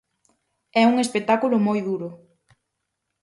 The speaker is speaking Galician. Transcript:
É un espectáculo moi duro.